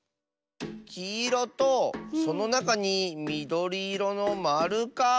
きいろとそのなかにみどりいろのまるか。